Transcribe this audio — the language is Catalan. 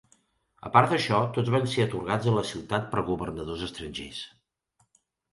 A part d'això, tots van ser atorgats a la ciutat per governadors estrangers.